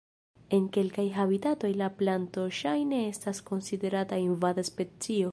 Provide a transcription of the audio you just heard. En kelkaj habitatoj la planto ŝajne estas konsiderata invada specio.